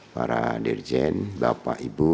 para dirjen bapak ibu